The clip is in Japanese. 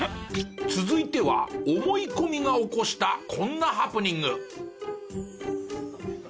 続いては思い込みが起こしたこんなハプニング。